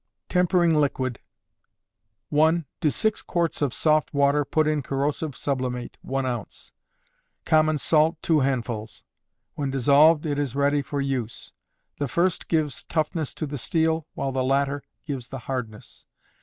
Tempering Liquid. 1. To 6 quarts of soft water put in corrosive sublimate, 1 oz.; common salt, 2 handfuls; when dissolved it is ready for use. The first gives toughness to the steel, while the latter gives the hardness.